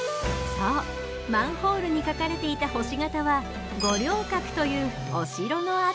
そうマンホールに描かれていた星形は五稜郭というお城の跡。